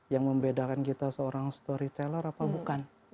yang membedakan kita seorang story teller apa bukan